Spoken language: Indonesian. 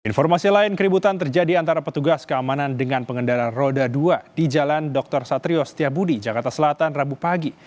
informasi lain keributan terjadi antara petugas keamanan dengan pengendara roda dua di jalan dr satrio setiabudi jakarta selatan rabu pagi